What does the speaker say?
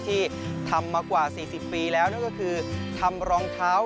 ที่ทำมากว่า๔๐ปีแล้วนั่นก็คือทำรองเท้า